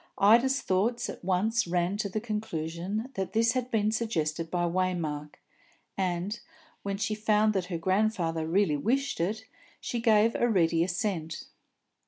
Ida's thoughts at once ran to the conclusion that this had been suggested by Waymark, and, when she found that her grandfather really wished it, gave a ready assent.